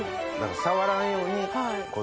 触らんようにこう。